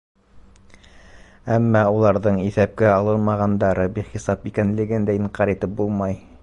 Әммә уларҙың иҫәпкә алынмағандары бихисап икәнлеген дә инҡар итеп булмай.